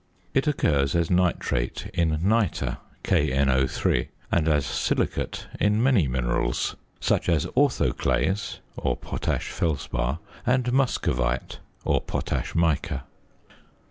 It occurs as nitrate in nitre (KNO_), and as silicate in many minerals, such as orthoclase (or potash felspar) and muscovite (or potash mica).